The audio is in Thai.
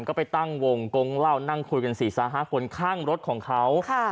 ก็ไปตั้งวงกงเหล้านั่งคุยกัน๔๕คนข้างรถของเขา